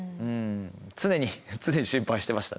常に常に心配してましたね。